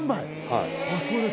はい。